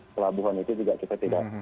pelabuhan itu juga kita tidak